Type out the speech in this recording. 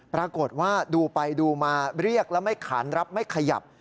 ปรากฏว่าดูไปดูมาเรียกแล้วไม่ขานรับไม่ขยับ